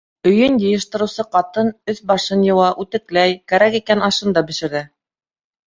Өйөн йыйыштырыусы ҡатын өҫ-башын йыуа, үтекләй, кәрәк икән - ашын да бешерә.